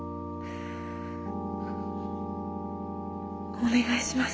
お願いします